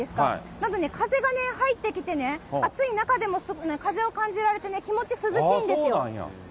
なので、風が入ってきて暑い中でも風を感じられてね、気持ち涼しいんですよ。